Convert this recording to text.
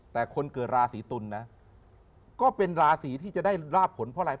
แต่คนเกิดราศีตุลนะก็เป็นราศีที่จะได้ราบผลเพราะอะไร